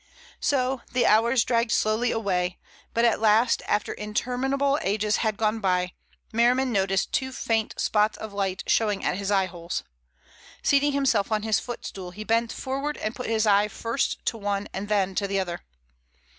So the hours dragged slowly away, but at last after interminable ages had gone by, Merriman noticed two faint spots of light showing at his eyeholes. Seating himself on his footstool, he bent forward and put his eye first to one and then to the other.